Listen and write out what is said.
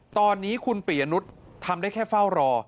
ตอนนี้คุณปียนุษย์ทำได้แค่เฝ้ารอ